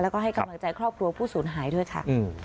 แล้วก็ให้กำลังใจครอบครัวผู้สูญหายด้วยค่ะ